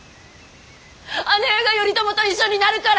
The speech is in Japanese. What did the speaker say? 姉上が頼朝と一緒になるから！